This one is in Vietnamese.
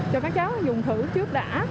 cho các cháu dùng thử trước đã